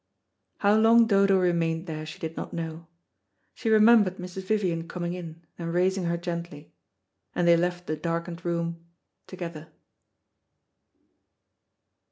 How long Dodo remained there she did not know. She remembered Mrs. Vivian coming in and raising her gently, and they left the darkened room together.